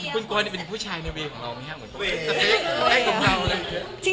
พร้อมหลักจากลงรูปไป